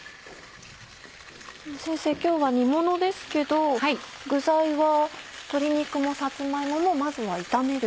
先生今日は煮ものですけど具材は鶏肉もさつま芋もまずは炒める？